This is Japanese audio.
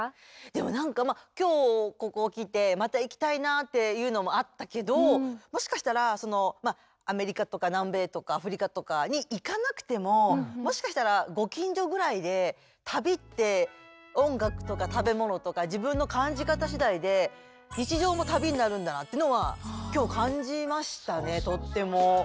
でもなんか今日ここ来てまた行きたいなっていうのもあったけどもしかしたらアメリカとか南米とかアフリカとかに行かなくてももしかしたらご近所ぐらいで旅って音楽とか食べ物とか自分の感じ方しだいでってのは今日感じましたねとっても。